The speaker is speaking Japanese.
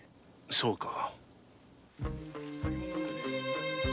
そうか。